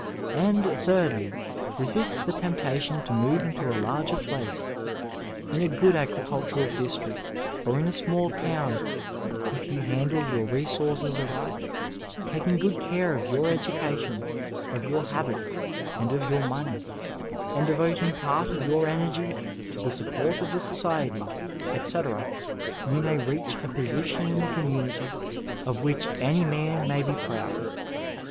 And, thirdly, resist the temptation to move into a hu^er place. In a good agricoltural district, or in a small town, if yon handle your resources aright, taking good care of your education, of your habits, and of your money, and devoting part of your energies to the support of the societies, etc., you may reach a position in the conmiunity of which any man may be proud.